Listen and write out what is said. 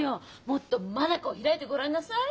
もっと眼を開いてごらんなさい。